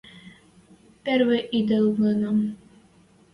– Перви ыдылынам...